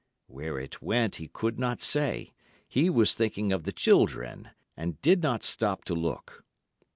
Where it went he could not say; he was thinking of the children, and did not stop to look.